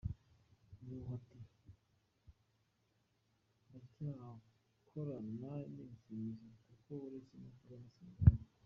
ibihuha ati "ndacyakorana nIbisumizi, kuko uretse no kuba amasezerano.